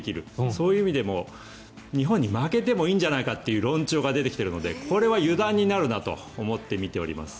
そういう意味でも日本に負けてもいいんじゃないかという論調が出てくるのでこれは油断になるなと思って見ております。